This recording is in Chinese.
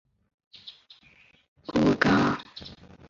不过有些编辑批评该游戏价格相对于其游戏长度来说售价过高。